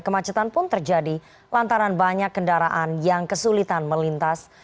kemacetan pun terjadi lantaran banyak kendaraan yang kesulitan melintas